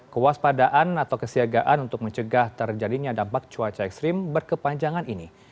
kewaspadaan atau kesiagaan untuk mencegah terjadinya dampak cuaca ekstrim berkepanjangan ini